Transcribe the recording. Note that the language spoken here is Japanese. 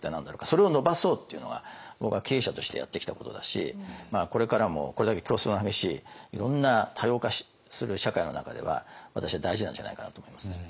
それを伸ばそうっていうのが僕は経営者としてやってきたことだしこれからもこれだけ競争が激しいいろんな多様化する社会の中では私は大事なんじゃないかなと思いますね。